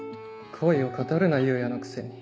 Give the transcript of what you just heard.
恋を語るな裕也のくせに。